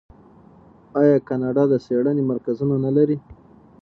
آیا کاناډا د څیړنې مرکزونه نلري؟